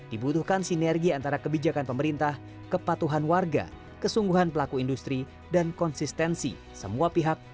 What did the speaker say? dibutuhkan sinergi antara kebijakan pemerintah kepatuhan warga kesungguhan pelaku industri dan konsistensi semua pihak